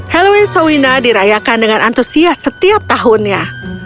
halloween soina dirayakan dengan antusias setiap tahunnya